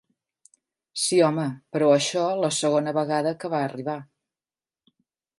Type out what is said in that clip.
Sí, home, però això la segona vegada que va arribar.